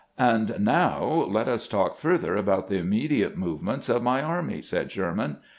" And now, let us talk further about the immediate movements of my army," said Sherman.